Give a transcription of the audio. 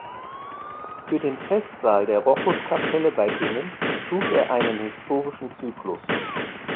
Für den Festsaal der Rochuskapelle bei Bingen schuf er einen „historischen Zyklus“.